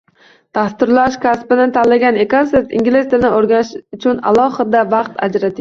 Dasturlash kasbini tanlagan ekansiz, ingliz tilini o’rganish uchun alohida vaqt ajrating